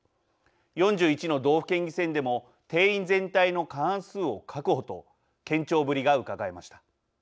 ４１の道府県議選でも定員全体の過半数を確保と堅調ぶりがうかがえました。